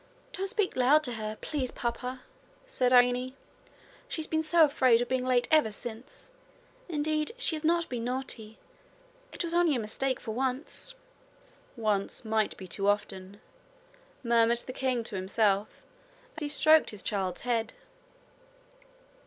'Don't speak loud to her, please, papa,' said Irene. 'She's been so afraid of being late ever since! Indeed she has not been naughty. It was only a mistake for once.' 'Once might be too often,' murmured the king to himself, as he stroked his child's head.